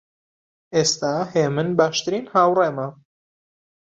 ئێستا هێمن باشترین هاوڕێمە.